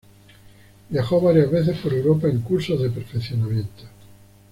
Viajó varias veces por Europa, en cursos de perfeccionamiento.